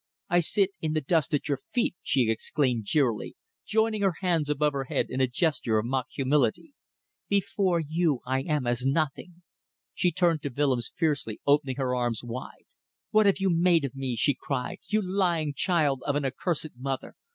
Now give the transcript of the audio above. I sit in the dust at your feet," she exclaimed jeeringly, joining her hands above her head in a gesture of mock humility. "Before you I am as nothing." She turned to Willems fiercely, opening her arms wide. "What have you made of me?" she cried, "you lying child of an accursed mother!